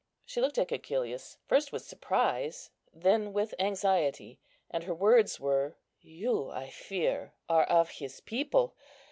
She looked at Cæcilius, first with surprise, then with anxiety; and her words were, "You, I fear, are of his people.